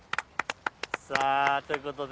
あということで。